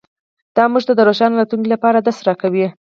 دا موږ ته د روښانه راتلونکي لپاره درس راکوي